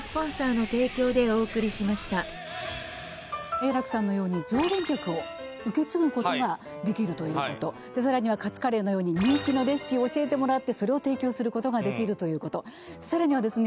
栄楽さんのように常連客を受け継ぐことができるということさらにはカツカレーのように人気のレシピを教えてもらってそれを提供することができるということさらにはですね